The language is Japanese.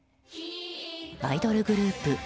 アイドルグループ